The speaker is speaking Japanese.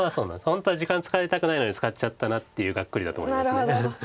本当は時間使いたくないのに使っちゃったなっていうがっくりだと思います。